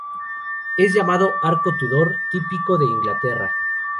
El llamado arco Tudor, típico de Inglaterra.